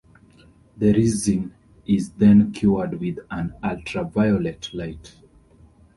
The resin is then cured with an ultraviolet light.